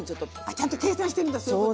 ちゃんと計算してるんだそういうこと。